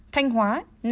thanh hóa năm mươi bốn